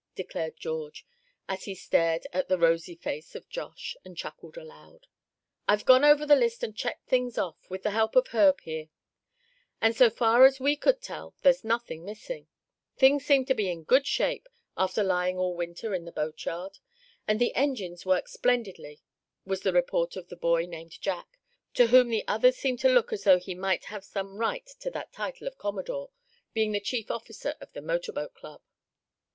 declared George, as he stared at the rosy face of Josh, and chuckled aloud. "I've gone over the list, and checked things off, with the help of Herb here; and so far as we could tell, there's nothing missing. Things seem to be in good shape, after lying all winter in the boat yard. And the engines work splendidly," was the report of the boy named Jack, to whom the others seemed to look as though he might have some right to that title of "Commodore," being the chief officer of the motor boat club.